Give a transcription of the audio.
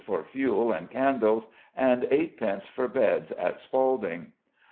for fuel and candles, and 8d. for beds at Spalding.